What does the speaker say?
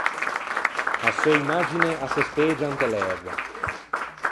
A seu imagine a se spegia inte l’ægua.